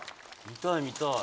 見たい見たい。